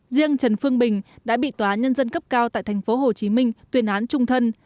riêng trần phương bình đã bị tòa nhân dân cấp cao tại tp hcm tuyên án trung thân